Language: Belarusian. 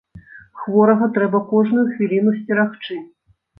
Хворага трэба кожную хвіліну сцерагчы.